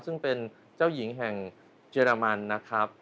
ซึ่งเป็นเจ้าหญิงแห่งเยอรมันนะครับ